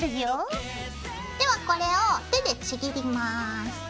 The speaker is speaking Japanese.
ではこれを手でちぎります。